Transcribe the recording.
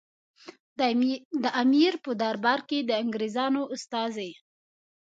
د امیر په دربار کې د انګریزانو استازي.